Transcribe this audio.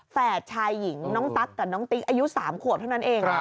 ชายหญิงน้องตั๊กกับน้องติ๊กอายุ๓ขวบเท่านั้นเอง